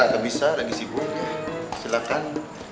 gak bisa lagi sibuk silahkan